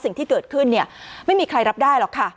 สิ่งที่เกิดขึ้นเนี่ยไม่มีใครรับได้หรอกค่ะ